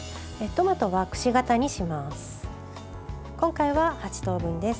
トマトは、くし形にします。